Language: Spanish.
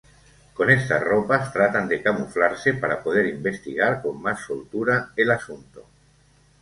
Con estas ropas tratan de camuflarse para poder investigar con más soltura el asunto.